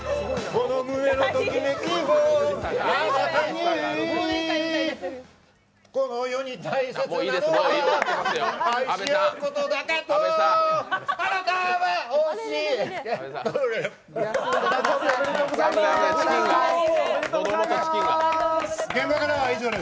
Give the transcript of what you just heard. この胸のときめきをあなたに